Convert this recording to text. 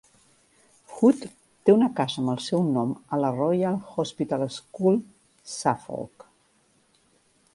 Hood té una casa amb el seu nom a la Royal Hospital School, Suffolk.